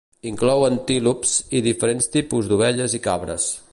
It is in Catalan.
Inclou antílops i diferents tipus d'ovelles i cabres.